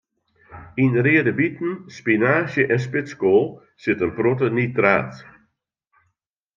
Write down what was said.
Yn reade biten, spinaazje en spitskoal sit in protte nitraat.